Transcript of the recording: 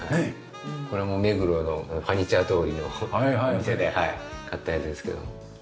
これも目黒のファニチャー通りのお店で買ったやつですけども。